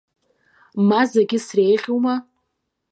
Ма зегьы среиӷьума?!